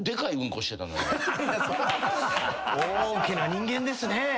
大きな人間ですね